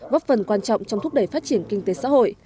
góp phần quan trọng trong thúc đẩy phát triển kinh tế xã hội